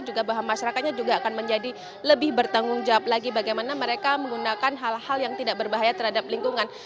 juga bahwa masyarakatnya juga akan menjadi lebih bertanggung jawab lagi bagaimana mereka menggunakan hal hal yang tidak berbahaya terhadap lingkungan